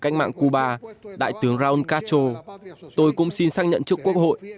trong cách mạng cuba đại tướng ron castro tôi cũng xin xác nhận trước quốc hội